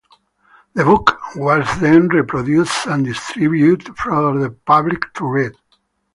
The book was then reproduced and distributed for the public to read.